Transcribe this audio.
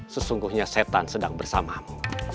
sesungguhnya setan sedang bersamamu